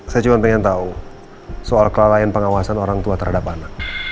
saya cuma pengen tahu soal kelalaian pengawasan orang tua terhadap anak